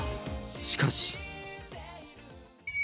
しかし。